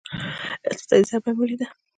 اقتصادي ضربه مې وليده.